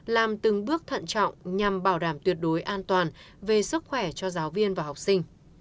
làm từng bước thận trọng nhằm bảo đảm tuyệt đối an toàn về sức khỏe cho giáo viên và học sinh